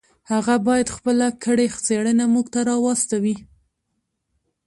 هغه باید خپله کړې څېړنه موږ ته راواستوي.